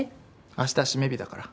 明日は締め日だから。